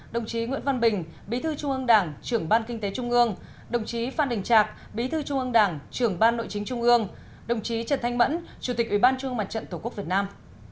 đồng chí nguyễn văn bình bí thư trung ương đảng trưởng ban kinh tế trung ương đồng chí phan đình trạc bí thư trung ương đảng trưởng ban nội chính trung ương đồng chí trần thanh mẫn chủ tịch ủy ban trung mặt trận tổ quốc việt nam